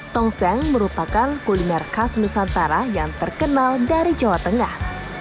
tongseng merupakan kuliner khas nusantara yang terkenal dari jawa tengah